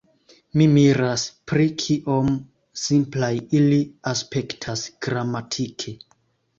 Mi miras pri kiom simplaj ili aspektas gramatike.